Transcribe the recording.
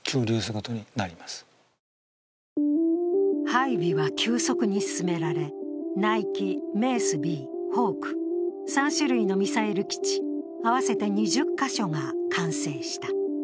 配備は急速に進められ、ナイキ、メースＢ、ホーク、３種類のミサイル基地合わせて２０カ所が完成した。